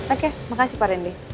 oke makasih pak randy